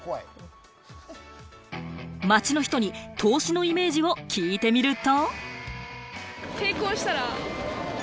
街の人に投資のイメージを聞いてみると。